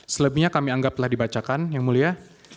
selebihnya kami anggap telah dibacakan yang mulia